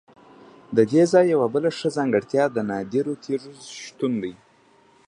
ددې ځای یوه بله ښه ځانګړتیا د نادرو تیږو شتون دی.